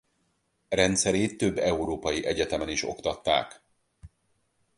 Rendszerét több európai egyetemen is oktatták.